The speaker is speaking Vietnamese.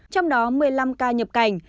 trong đó một mươi năm ca nhập cảnh